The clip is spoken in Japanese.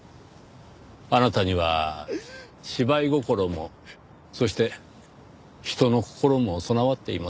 あなたには芝居心もそして人の心も備わっています。